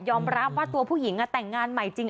รับว่าตัวผู้หญิงแต่งงานใหม่จริง